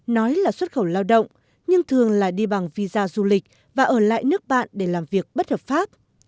nói là xuất khẩu lao động nhưng thường là đi bằng visa du lịch và ở lại nước bạn để làm việc bất hợp pháp